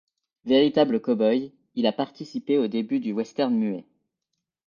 Véritable cow-boy, il a participé aux débuts du western muet.